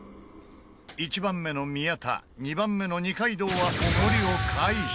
１番目の宮田２番目の二階堂はおごりを回避